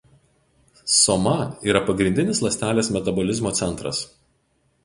Soma yra pagrindinis ląstelės metabolizmo centras.